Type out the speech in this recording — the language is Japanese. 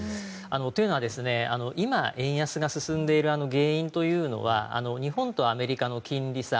というのは、今円安が進んでいる原因というのは日本とアメリカの金利差